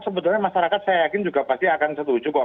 sebetulnya masyarakat saya yakin juga pasti akan setuju kok